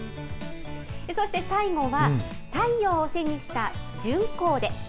そして最後は、太陽を背にした順光で。